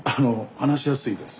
話しやすいです。